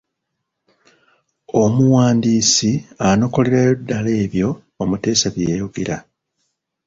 Omuwandiisi anokolerayo ddala ebyo omuteesa bye yayogera.